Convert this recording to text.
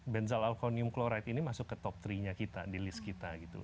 benzel alkohonium kloride ini masuk ke top tiga nya kita di list kita gitu